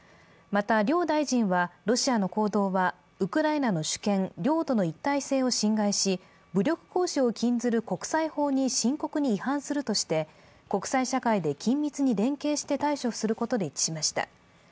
また、両大臣はロシアの行動はウクライナの主権・領土の一体性を侵害し、武力行使を禁ずる国際法に深刻に違反するとして国際社会で緊密に連携して対処することで一致しました。